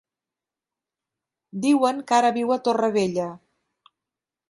Diuen que ara viu a Torrevella.